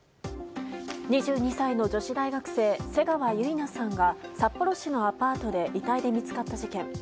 ２２歳の女子大学生瀬川結菜さんが札幌市のアパートで遺体で見つかった事件。